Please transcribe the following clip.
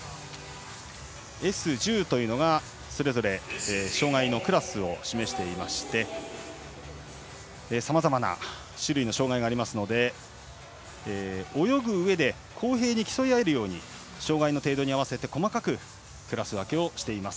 Ｓ１０というのが、それぞれ障がいのクラスを示していましてさまざまな種類の障がいがありますので泳ぐうえで公平に競い合えるように障がいの程度に合わせて細かくクラス分けしています。